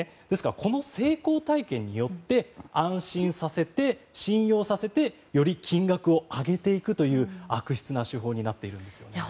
ですから、この成功体験によって安心させて信用させてより金額を上げていくという悪質な手法になっているんです。